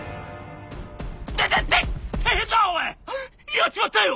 やっちまったよ！